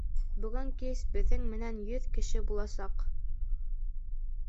Бөгөн кис беҙҙең менән йөҙ кеше буласаҡ.